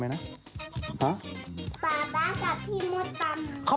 พี่มดดำ